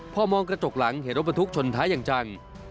พอมองกระจกหลังเห็นรถบรรทุกชนท้ายอย่างจัง